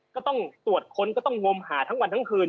ก็ต้องตรวจค้นก็ต้องงมหาทั้งวันทั้งคืน